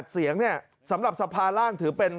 เสียงเนี่ยสำหรับสภาร่างถือเป็น